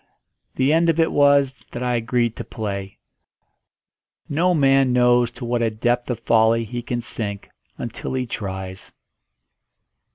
The end of it was that I agreed to play. No man knows to what a depth of folly he can sink until he tries.